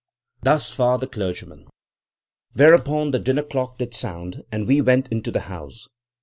"Thus far the clergyman; whereupon the dinner clock did sound, and we went into the house.